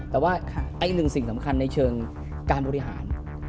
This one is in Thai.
แต่ว่าอีกหนึ่งสิ่งสำคัญในเชิงการบริหาร